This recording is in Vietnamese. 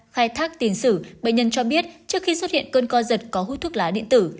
khai thác tiền sử bệnh nhân cho biết trước khi xuất hiện cơn co giật có hút thuốc lá điện tử